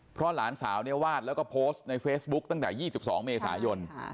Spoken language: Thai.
เพราะหลานสาวเนี่ยวาดแล้วก็โพสต์ในเฟซบุ๊กตั้งแต่๒๒เมษายน